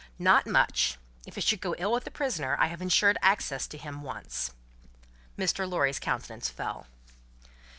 "Not much. If it should go ill with the prisoner, I have ensured access to him, once." Mr. Lorry's countenance fell.